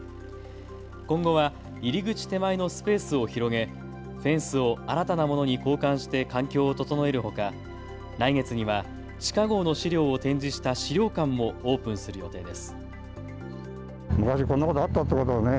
今後は入り口手前のスペースを広げ、フェンスを新たなものに交換して環境を整えるほか来月には地下ごうの資料を展示した資料館もオープンする予定です。